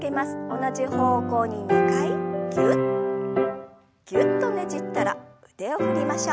同じ方向に２回ぎゅっぎゅっとねじったら腕を振りましょう。